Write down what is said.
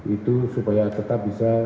itu supaya tetap bisa